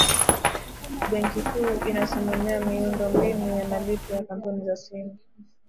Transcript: benki kuu inasimamia miundombinu ya malipo ya kampuni za simu